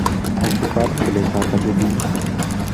Ez dikarim bilêta te bibînim?